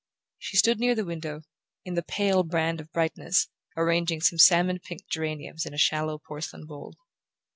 She stood near the window, in the pale band of brightness, arranging some salmon pink geraniums in a shallow porcelain bowl.